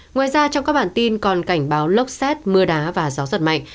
ngoài ra trong các bản tin còn cảnh báo lốc xét mưa đá và gió giật mạnh